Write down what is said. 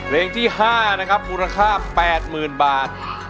เพลงที่๕นะครับมูลค่า๘๐๐๐บาท